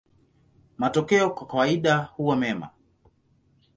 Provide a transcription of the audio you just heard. Matokeo kwa kawaida huwa mema.